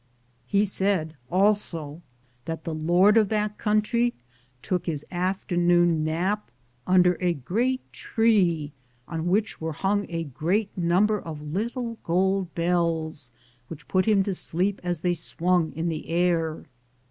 He said also that the lord of that country took his afternoon nap under a great tree on which were hung a great number of little gold bells, which put him to sleep as they swung in the air.